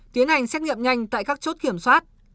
tiến hành xét nghiệm nhanh tại các chốt kiểm soát